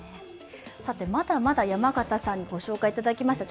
まだまだ山形さんにご紹介いただきました。